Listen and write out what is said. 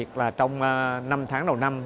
trong tháng đầu năm hai nghìn một mươi chín